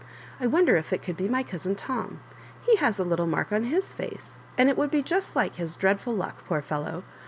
I wonder if it could be my cousin Tom ; ht has a little mark on his &ce ^anfi it would be just like his dreadful luck, poor fellow.